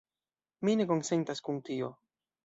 Mi ne konsentas kun tio.